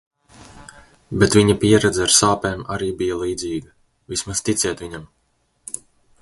Bet viņa pieredze ar sāpēm arī bija līdzīga. Vismaz ticiet viņam.